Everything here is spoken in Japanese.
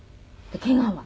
ケガは？